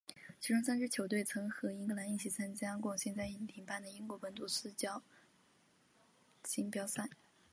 其中三支球队曾和英格兰一起参加过现在已停办的英国本土四角锦标赛。